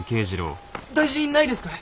大事ないですかい！？